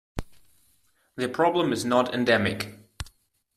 The problem is not endemic.